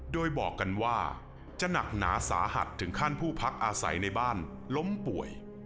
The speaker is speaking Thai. โดยบอกกันว่าจะหนักหนาสาหัสถึงขั้นผู้พักอาศัยในบ้านล้มป่วย